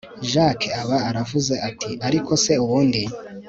jack aba aravuze ati ariko se ubundi